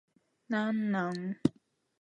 何なん